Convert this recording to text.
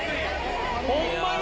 ホンマに？